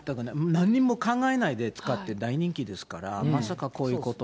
何も考えないで使ってた、大人気ですから、まさかこういうこと。